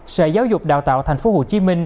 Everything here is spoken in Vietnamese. sở giáo dục đào tạo tp hcm